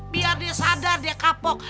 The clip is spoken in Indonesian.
biar dia sadar dia kapok